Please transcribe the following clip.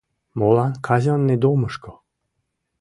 — Молан казённый домышко?